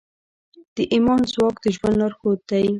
د ایمان ځواک د ژوند لارښود دی.